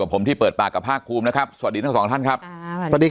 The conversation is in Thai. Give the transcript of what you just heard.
ผมที่เปิดปากกับภาคภูมินะครับสวัสดีทั้งสองท่านครับสวัสดี